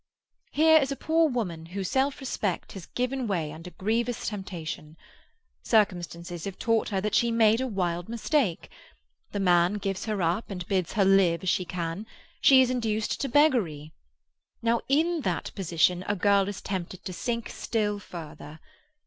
Here is a poor woman whose self respect has given way under grievous temptation. Circumstances have taught her that she made a wild mistake. The man gives her up, and bids her live as she can; she is reduced to beggary. Now, in that position a girl is tempted to sink still further.